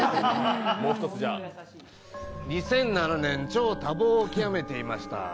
２００７年、超多忙を極めていました。